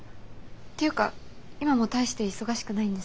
っていうか今も大して忙しくないんです。